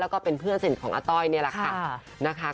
แล้วก็เป็นเพื่อนสนิทของอาต้อยนี่แหละค่ะนะคะ